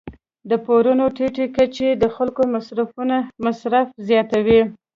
د پورونو ټیټې کچې د خلکو مصرف زیاتوي.